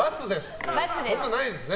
そんなのないですね？